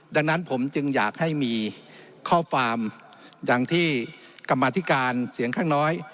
ดังนั้นผมจึงอยากให้มีข้อความดังที่กรรมาธิการเสียงข้างน้อย